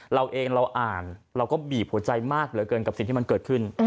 เราเองเราอ่านเราก็บีบหัวใจมากเหลือเกินกับสิ่งที่มันเกิดขึ้น